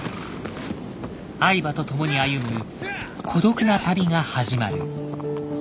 愛馬と共に歩む孤独な旅が始まる。